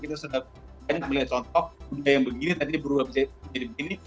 kita sudah banyak melihat contoh budaya yang begini tadi berubah menjadi begini